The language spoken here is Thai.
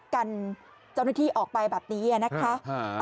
กันเจ้าหน้าที่ออกไปแบบนี้นะคะ